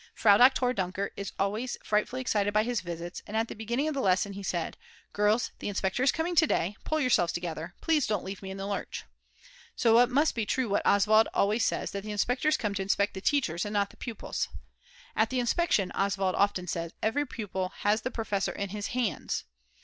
Frau Doktor Dunker is always frightfully excited by his visits, and at the beginning of the lesson she said: "Girls, the Inspector is coming to day; pull yourselves together; please don't leave me in the lurch." So it must be true what Oswald always says that the inspectors come to inspect the teachers and not the pupils. "At the inspection," Oswald often says, "every pupil has the professor in his hands."